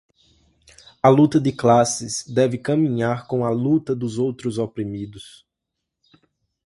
A luta de classes deve caminhar com a luta dos outros oprimidos